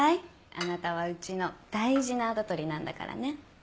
あなたはうちの大事な跡取りなんだからね。